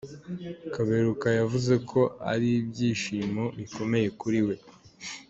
Kaberuka yavuze ko ari ibyishimo bikomeye kuri we.